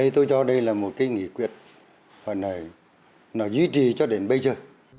tôi cho đây là một cái nghị quyền phần này nó duy trì cho đến bây giờ